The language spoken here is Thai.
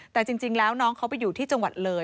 แต่จริงแล้วน้องเขาไปอยู่ที่จังหวัดเลย